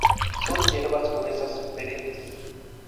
Son hierbas gruesas, perennes.